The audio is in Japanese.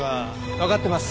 わかってます。